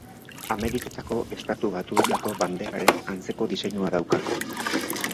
Ameriketako Estatu Batuetako banderaren antzeko diseinua dauka.